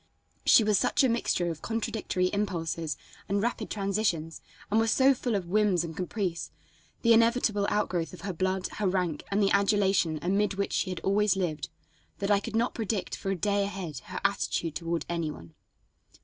She was such a mixture of contradictory impulses and rapid transitions, and was so full of whims and caprice, the inevitable outgrowth of her blood, her rank and the adulation amid which she had always lived, that I could not predict for a day ahead her attitude toward any one.